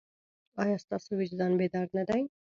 ایا ستاسو وجدان بیدار نه دی؟